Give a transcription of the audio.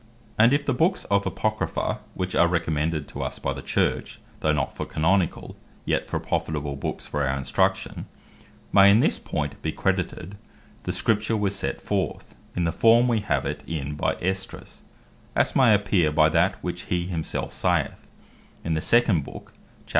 And if the Books of Apocrypha (which are recommended to us by the Church, though not for Canonicall, yet for profitable Books for our instruction) may in this point be credited, the Scripture was set forth in the form wee have it in, by Esdras; as may appear by that which he himself saith, in the second book, chapt.